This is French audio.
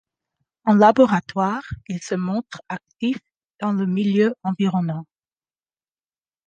En laboratoire, ils se montrent actifs dans le milieu environnant.